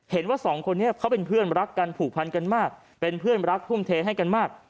เห็นว่าสองคนนี้เขาเป็นเพื่อนรักกันผูกพันกันมากเป็นเพื่อนรักทุ่มเทให้กันมาก